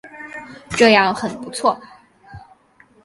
这样很不错